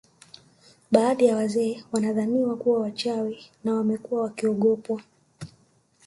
Baadhi ya wazee wanadhaniwa kuwa wachawi na wamekuwa wakiogopwa